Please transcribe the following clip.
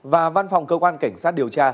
và văn phòng cơ quan cảnh sát điều tra